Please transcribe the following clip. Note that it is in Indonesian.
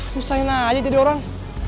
nusahin aja jadi orang